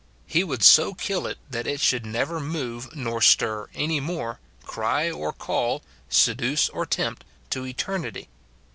He would so kill it that it should never move nor stir any more, cry or call, seduce or tempt, to eternity.